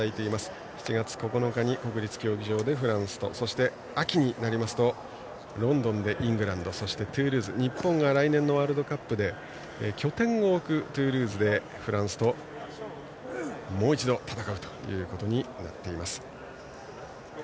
７月９日に国立競技場でフランスとそして秋になりますとロンドンでイングランドそしてトゥールーズ日本が来年ワールドカップで拠点を置く地でフランスともう一度戦うことになっています。